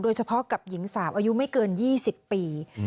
เฉพาะกับหญิงสาวอายุไม่เกิน๒๐ปี